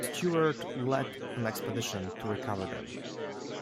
Stuart led an expedition to recover them.